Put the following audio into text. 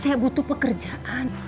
saya butuh pekerjaan